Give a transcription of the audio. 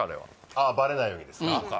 ああバレないようにですか？